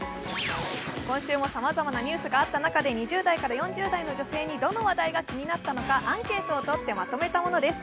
今週もさまざまなニュースがあった中で、２０代から４０代の女性にどの話題に気になったのかアンケートをとって、まとめたものです。